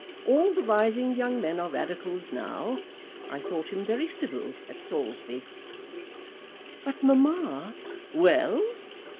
All the rising young men are Radicals now. I thought him very civil at Saulsby." "But, mamma " "Well!"